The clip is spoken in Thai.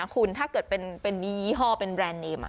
คุณถ้าเกิดเป็นยี่ห้อเบรนด์เนม